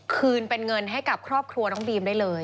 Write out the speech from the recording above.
คืนเป็นเงินให้กับครอบครัวน้องบีมได้เลย